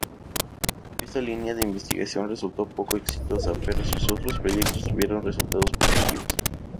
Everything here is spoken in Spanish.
Esta línea de investigación resultó poco exitosa, pero sus otros proyectos tuvieron resultados positivos.